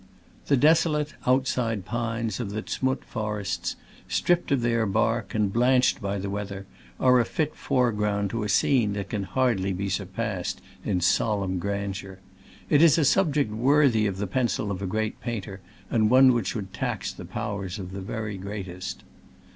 The desolate, outside pines of the Z'mutt forests, stripped of their bark and blanched by the weather, are a fit foreground to a scene that can hardly be surpassed in solemn grandeur. It is a subject worthy of the pencil of a great painter, and one which would tax the powers of the very greatest.